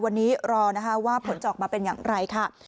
วันนี้รอนะคะว่าผลจะออกมาเป็นอย่างไรค่ะ